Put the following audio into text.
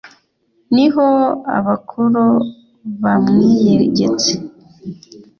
niho abakuro bamwiyegetse